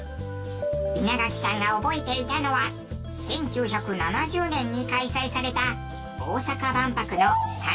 稲垣さんが覚えていたのは１９７０年に開催された大阪万博の。